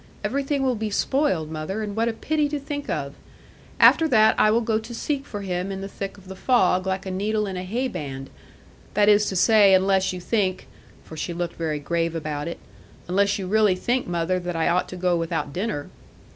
Everything will be spoiled, mother, and what a pity to think of! After that I will go to seek for him in the thick of the fog, like a needle in a hay band. That is to say, unless you think' for she looked very grave about it 'unless you really think, mother, that I ought to go without dinner.'